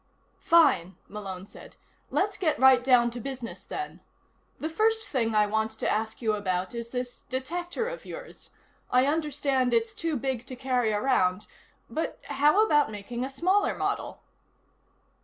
"Fine," Malone said. "Let's get right down to business, then. The first thing I want to ask you about is this detector of yours. I understand it's too big to carry around but how about making a smaller model?"